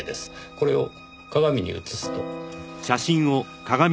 これを鏡に映すと。